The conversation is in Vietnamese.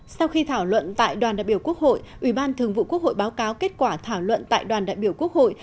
sau khi thảo luận tại đoàn đại biểu quốc hội ủy ban thường vụ quốc hội báo cáo kết quả thảo luận tại đoàn đại biểu quốc hội